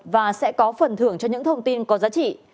và sẽ có phần thưởng cho những thông tin có giá trị